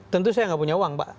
tentu saya nggak punya uang pak